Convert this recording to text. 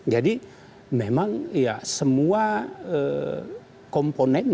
memang ya semua komponen